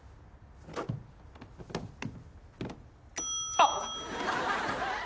あっ！？